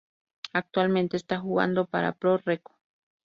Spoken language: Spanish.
Actualmente está jugando para Pro Recco.